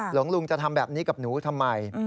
หลวงลุงจะทำแบบนี้กับหนูทำไม